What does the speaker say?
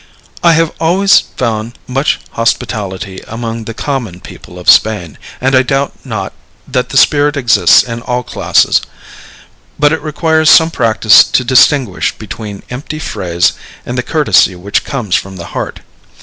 I have always found much hospitality among the common people of Spain, and I doubt not that the spirit exists in all classes; but it requires some practice to distinguish between empty phrase and the courtesy which comes from the heart.